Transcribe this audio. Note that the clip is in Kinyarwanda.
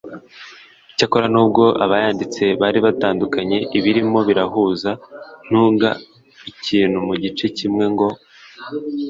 icyakora nubwo abayanditse bari batandukanye ibirimo birahuza nt uga ikintu mu gice kimwe ngo